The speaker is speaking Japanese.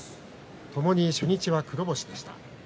ともに初日は黒星でした。